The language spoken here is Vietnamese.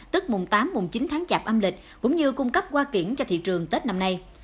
tức mùng tám mùng chín tháng chạp âm lịch cũng như cung cấp hoa kiển cho thị trường tết năm nay